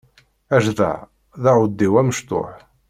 Ajdaɛ d aɛudiw amecṭuḥ.